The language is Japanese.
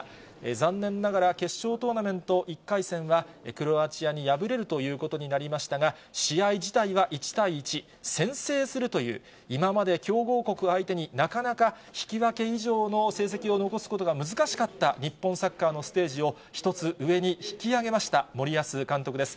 残念ながら決勝トーナメント１回戦は、クロアチアに敗れるということになりましたが、試合自体は１対１、先制するという、今まで強豪国相手に、なかなか引き分け以上の成績を残すことが難しかった日本サッカーのステージを、一つ上に引き上げました森保監督です。